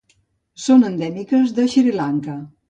Són endèmiques de Sri Lanka.